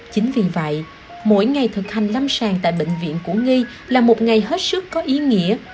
chính vì vậy mỗi ngày thực hành lâm sàng tại bệnh viện củ nghi là một ngày hết sức có ý nghĩa